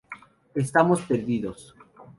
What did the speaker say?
Estamos perdidos.